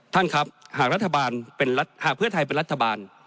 ท่านครับหากเพือไทยเป็นรัฐบาล